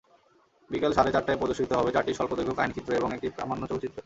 বিকেল সাড়ে চারটায় প্রদর্শিত হবে চারটি স্বল্পদৈর্ঘ্য কাহিনিচিত্র এবং একটি প্রামাণ্য চলচ্চিত্র।